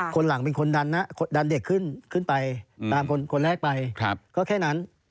คนหลังเป็นคนดันเด็กขึ้นไปตามคนแรกไปก็แค่นั้น